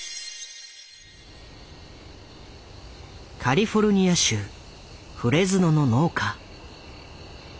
カリフォルニア州フレズノの農家。